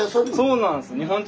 そうなんです。